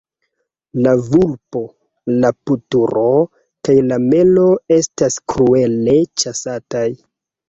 La vulpo, la putoro kaj la melo estas kruele ĉasataj.